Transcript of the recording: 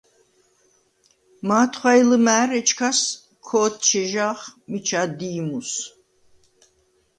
მათხუ̂ა̈ჲ ლჷმა̄̈რ, ეჩქას ქო̄თჩი̄ჟახ მიჩა დი ი მუს.